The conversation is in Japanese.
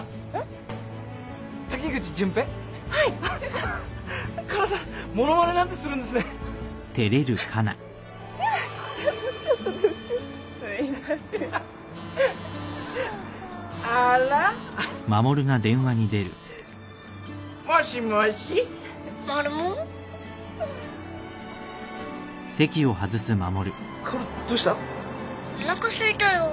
☎おなかすいたよ。